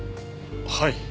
はい。